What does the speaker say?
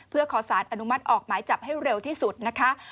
เพื่อขอสารอนุมัติออกหมายจับให้เร็วที่สุดนะคะ